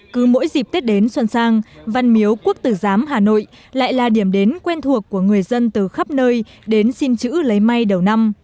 cứ mỗi dịp tết đến xuân sang văn miếu quốc tử giám hà nội lại là điểm đến quen thuộc của người dân từ khắp nơi đến xin chữ lấy may đầu năm